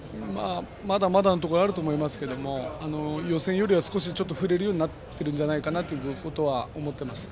まだまだのところはあると思いますけれども予選よりは少し振れるようになっているんじゃないかと思っています。